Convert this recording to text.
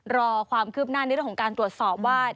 รอความคืบหน้าในเรื่องของการตรวจสอบว่า